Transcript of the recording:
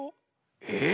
えっ？